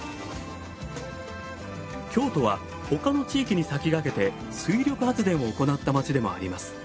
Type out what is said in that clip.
京都は他の地域に先駆けて水力発電を行った町でもあります。